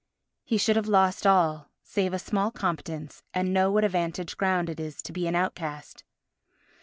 He should have lost all save a small competence and know what a vantage ground it is to be an outcast.